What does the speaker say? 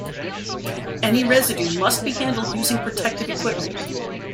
Any residue must be handled using protective equipment.